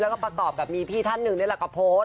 แล้วก็ประกอบกับมีพี่ท่านหนึ่งในลักษณ์โพสต์